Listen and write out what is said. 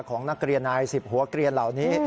ของนักเรียนนาย๑๐หัวเกลียนเหล่านี้